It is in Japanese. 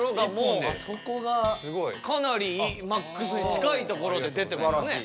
かなりマックスに近いところで出てますね。